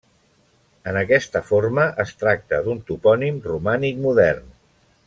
En aquesta forma, es tracta d'un topònim romànic modern.